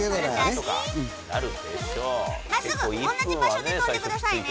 真っすぐ同じ場所で跳んでくださいね。